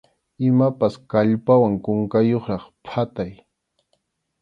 Imapas kallpawan kunkayuqraq phatay.